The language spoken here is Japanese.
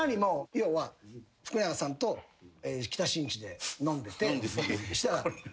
要は福永さんと北新地で飲んでて。